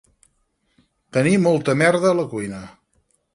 Tenir molta merda a la cuina